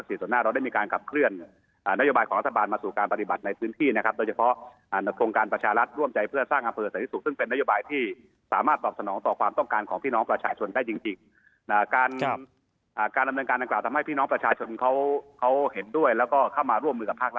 เชื่อมั่นในระบบอำนาจรัฐครับ